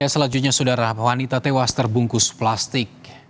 selanjutnya saudara wanita tewas terbungkus plastik